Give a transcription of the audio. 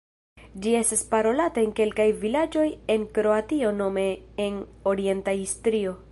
Ĝi estas parolata en kelkaj vilaĝoj en Kroatio nome en orienta Istrio.